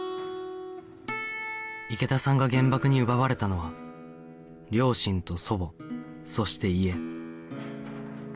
池田さんが原爆に奪われたのは両親と祖母そして家